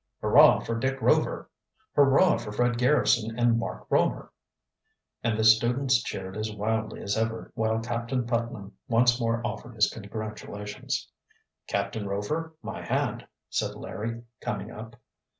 "Hurrah for Dick Rover!" "Hurrah for Fred Garrison and Mark Romer!" And then the students cheered as wildly as ever, while Captain Putnam once more offered his congratulations. "Captain Rover, my hand," said Larry, coming up.